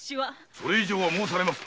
それ以上申されますな。